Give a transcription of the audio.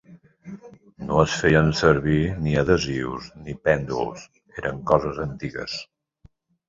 No es feien servir ni adhesius ni pèndols, eren coses antigues.